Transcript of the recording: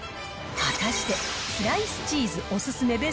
果たして、スライスチーズお勧め